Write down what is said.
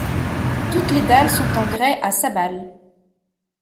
Toutes les dalles sont en grès à sabals.